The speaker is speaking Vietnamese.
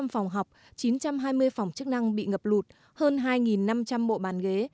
hai chín trăm linh phòng học chín trăm hai mươi phòng chức năng bị ngập lụt hơn hai năm trăm linh bộ bàn ghế